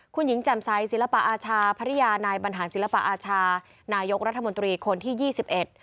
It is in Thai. คุณหญิงแจ่มใสศิลปะอาชาภรรยานายบรรหารศิลปอาชานายกรัฐมนตรีคนที่ยี่สิบเอ็ด